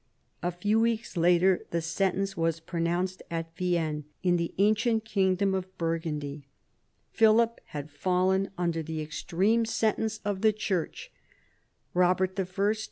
A few weeks later the sentence was pro nounced at Vienne, in the ancient kingdom of Burgundy. Philip had fallen under the extreme sentence of the 168 PHILIP AUGUSTUS chap. Church. Eobert I.